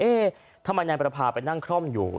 เอ๊ะทำไมนายมะพร้าวไปนั่งคล่อมอยู่